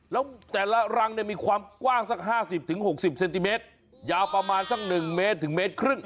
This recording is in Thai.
แล้วแต่ละหลังเนี้ยมีความกว้างสักห้าสิบถึงหกสิบเซนติเมตรยาวประมาณสักหนึ่งเมตรถึงเมตรครึ่ง